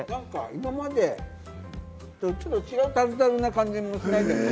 今までとちょっと違うタルタルな感じもしないでもない。